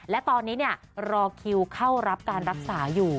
และตอนนี้รอคิวเข้ารับการรักษาอยู่